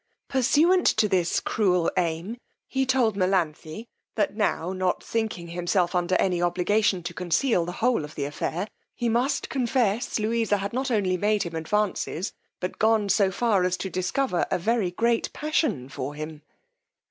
Pursuant to this cruel aim, he told Melanthe, that now not thinking himself under any obligation to conceal the whole of the affair, he must confess Louisa had not only made him advances, but gone so far as to discover a very great passion for him.